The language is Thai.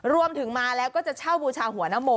รวมถึงมาแล้วก็จะเช่าบูชาหัวนโม